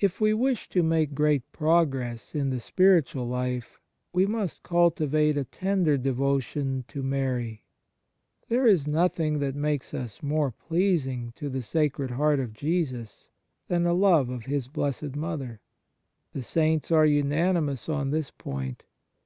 If we wish to make great progress in the spiritual life, we must cultivate a tender devotion to Mary. There is nothing that makes us more pleasing to the Sacred Heart of Jesus than a love of His Blessed Mother. The Saints are unanimous on this point.